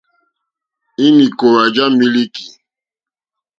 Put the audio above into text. Ínì kòòwà já mílíkì.